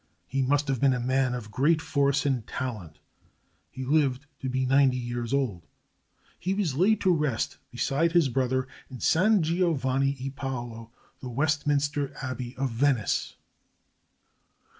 He must have been a man of great force and talent. He lived to be ninety years old. He was laid to rest beside his brother, in San Giovanni e Paolo, the Westminster Abbey of Venice.